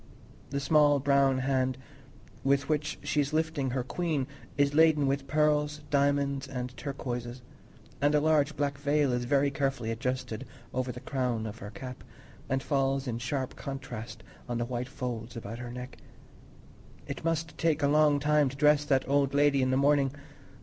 The small brown hand with which she is lifting her queen is laden with pearls, diamonds, and turquoises; and a large black veil is very carefully adjusted over the crown of her cap, and falls in sharp contrast on the white folds about her neck. It must take a long time to dress that old lady in the morning!